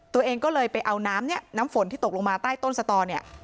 ตัวเองก็เลยไปเอาน้ำเนี่ยน้ำฝนที่ตกลงมาใต้ต้นสตอเนี่ย